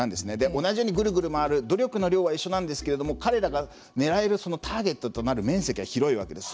同じようにぐるぐる回る努力の量は一緒なんですけども彼らが狙えるターゲットは広いわけです。